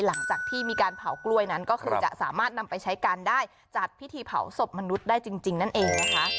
หลังจากที่มีการเผากล้วยนั้นก็คือจะสามารถนำไปใช้การได้จัดพิธีเผาศพมนุษย์ได้จริงนั่นเองนะคะ